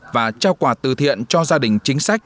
và trao quà từ thiện cho gia đình chính sách